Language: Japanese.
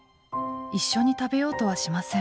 一緒に食べようとはしません。